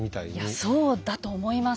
いやそうだと思います。